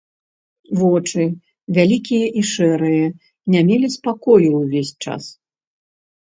Вочы, вялікія і шэрыя, не мелі спакою ўвесь час.